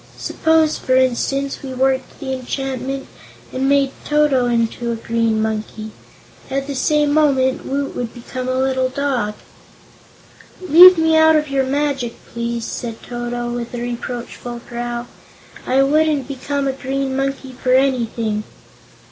"Suppose, for instance, we worked the enchantment, and made Toto into a Green Monkey. At the same moment Woot would become a little dog." "Leave me out of your magic, please," said Toto, with a reproachful growl. "I wouldn't become a Green Monkey for anything."